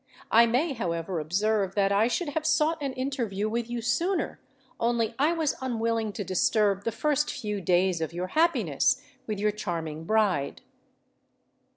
I may, however, observe that I should have sought an interview with you sooner, only I was unwilling to disturb the first few days of your happiness with your charming bride."